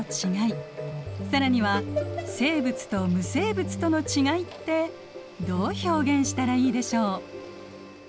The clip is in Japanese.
更には生物と無生物とのちがいってどう表現したらいいでしょう？